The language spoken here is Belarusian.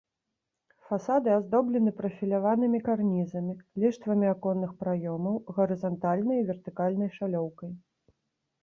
Фасады аздоблены прафіляванымі карнізамі, ліштвамі аконных праёмаў, гарызантальнай і вертыкальнай шалёўкай.